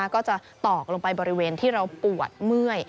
ก็จะตอกลงไปบริเวณที่เราปวดเมื่อย